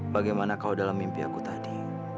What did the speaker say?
bagaimana kau dalam mimpi aku tadi